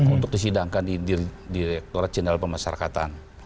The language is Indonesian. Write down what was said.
untuk disidangkan di direkturat jenderal pemasarakatan